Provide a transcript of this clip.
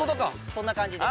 そんな感じです。